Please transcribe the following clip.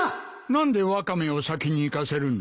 何でワカメを先に行かせるんだ？